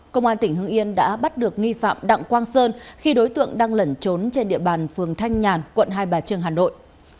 công an tỉnh hưng yên đã bắt được nghi phạm đặng quang sơn khi đối tượng đang lẩn trốn trên địa bàn phường thanh nhàn quận hai bà trưng hà nội